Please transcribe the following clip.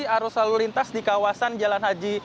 jadi arus lalu lintas di kawasan jalan haji